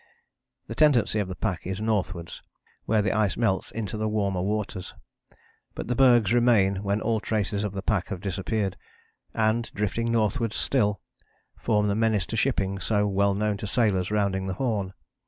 The tendency of the pack is northwards, where the ice melts into the warmer waters. But the bergs remain when all traces of the pack have disappeared, and, drifting northwards still, form the menace to shipping so well known to sailors rounding the Horn.